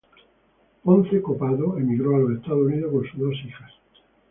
Ponce Copado emigró a los Estados Unidos con sus dos hijas.